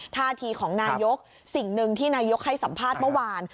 ท่าทีของนายกสิ่งหนึ่งที่นายกให้สัมภาษณ์เมื่อวาน